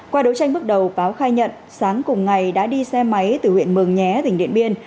qua đấu tranh bước đầu báo khai nhận sáng cùng ngày đã đi xe máy từ huyện mường nhé tỉnh điện biên